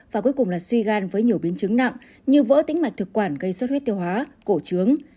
và cuối cùng là suy gan với nhiều biến chứng nặng như vỡ tính mạch thực quản gây xuất huyết tiêu hóa cổ trướng